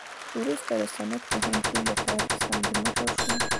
وروسته د سند پوهنتون د تاریخ څانګې مشر شو.